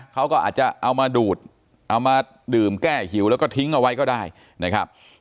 เขาก็อาจจะเอามาดูดเอามาดื่มแก้หิวแล้วก็ทิ้งเอาไว้ก็ได้นะครับ